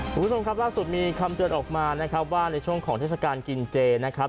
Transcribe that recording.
คุณผู้ชมครับล่าสุดมีคำเตือนออกมานะครับว่าในช่วงของเทศกาลกินเจนะครับ